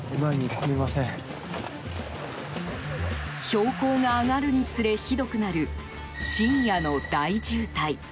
標高が上がるにつれひどくなる、深夜の大渋滞。